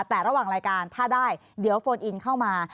แต่ระหว่างรายการถ้าได้เดี๋ยวโฟนอินเข้ามา